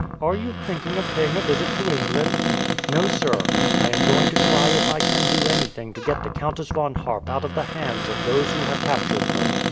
"Are you thinking of paying a visit to England?" "No, sir. I am going to try if I can do anything to get the Countess Von Harp out of the hands of those who have captured her."